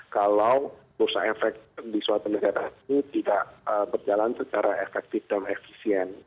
kalau bursa efek di suatu negara ini tidak berjalan secara efektif dan efisien